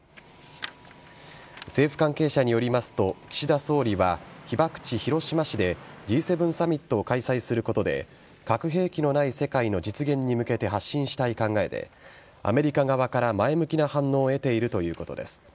政府関係者によりますと岸田総理は被爆地・広島市でＧ７サミットを開催することで核兵器のない世界の実現に向けて発信したい考えでアメリカ側から前向きな反応を得ているということです。